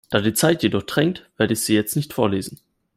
Da die Zeit jedoch drängt, werde ich sie jetzt nicht vorlesen.